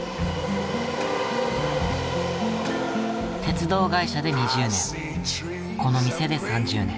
鉄道会社で２０年この店で３０年。